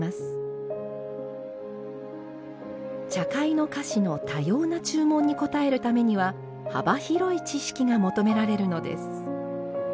茶会の菓子の多様な注文に応えるためには幅広い知識が求められるのです。